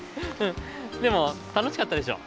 でもたのしかったでしょ？